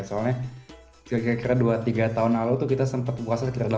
soalnya kira kira dua tiga tahun lalu kita sempat puasa sekitar delapan belas jam